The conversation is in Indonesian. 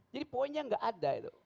jadi poinnya enggak ada